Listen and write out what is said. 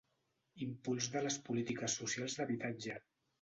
Impuls de les polítiques socials d'habitatge.